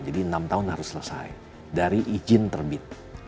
jadi enam tahun harus selesai dari izin terbit